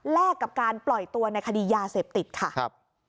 แลกกับการปล่อยตัวในคดียาเสพติดค่ะ